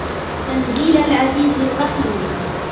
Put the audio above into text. تَنزيلَ العَزيزِ الرَّحيمِ